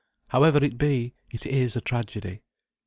However it be, it is a tragedy.